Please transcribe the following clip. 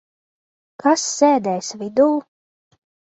Kas sēdēs vidū?